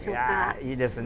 いいですね。